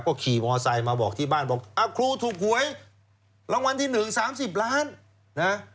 ก็ขี่มอไซค์มาบอกที่บ้านบอกครูถูกหวยรางวัลที่๑๓๐ล้านนะ